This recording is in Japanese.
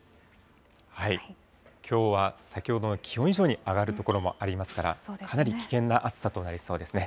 きょうは先ほどの気温以上に上がる所もありますから、かなり危険な暑さとなりそうですね。